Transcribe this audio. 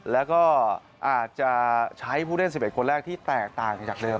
แล้วก็อาจจะใช้ผู้เล่น๑๑คนแรกที่แตกต่างจากเดิ